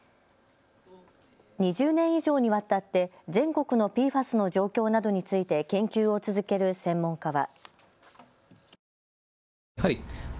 ２０年以上にわたって全国のＰＦＡＳの状況などについて研究を続ける専門家は。